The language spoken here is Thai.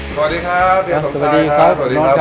สวัสดีครับที่วันบานครับ